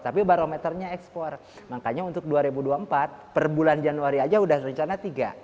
tapi barometernya ekspor makanya untuk dua ribu dua puluh empat per bulan januari aja udah rencana tiga